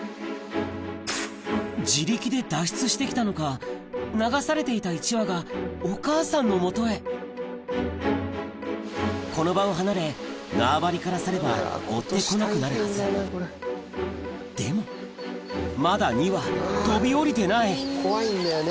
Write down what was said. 自力で脱出して来たのか流されていた１羽がお母さんのもとへこの場を離れ縄張から去れば追って来なくなるはずでもまだ２羽飛び降りてない怖いんだよね